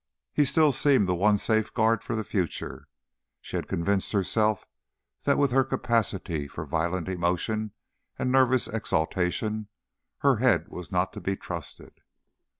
He still seemed the one safeguard for the future; she had convinced herself that with her capacity for violent emotion and nervous exaltation, her head was not to be trusted.